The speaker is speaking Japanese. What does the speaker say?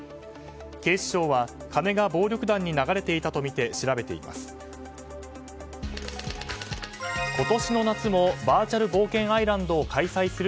警視庁は金が暴力団に流れていたとみて調べています。